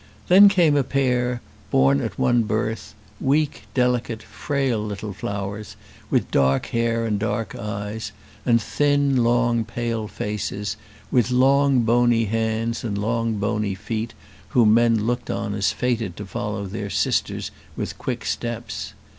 Then came a pair, born at one birth, weak, delicate, frail little flowers, with dark hair and dark eyes, and thin, long, pale faces, with long, bony hands, and long bony feet, whom men looked on as fated to follow their sisters with quick steps.